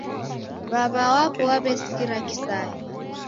W'aw'a wapo waw'esikira kisaya